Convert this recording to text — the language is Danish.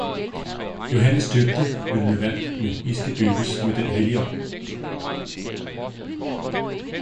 Johannes døbte vel med vand, men I skal døbes med den Helligånd!